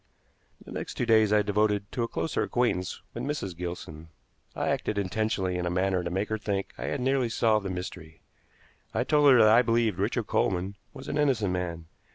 The next two days I devoted to a closer acquaintance with Mrs. Gilson. I acted intentionally in a manner to make her think I had nearly solved the mystery. I told her that I believed Richard Coleman was an innocent man.